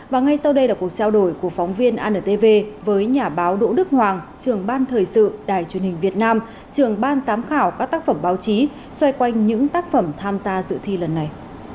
và ngay sau đây là cuộc trao đổi của phóng viên antv với nhà báo đỗ đức hoàng trưởng ban thời sự đài truyền hình việt nam trường ban giám khảo các tác phẩm báo chí xoay quanh những tác phẩm tham gia dự thi lần này